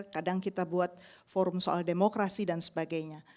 kadang kita buat forum soal demokrasi dan sebagainya